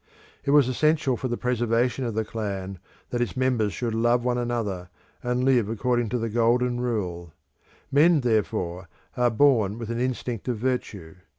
It was essential for the preservation of the clan that its members should love one another, and live according to the Golden Rule; men, therefore, are born with an instinct of virtue.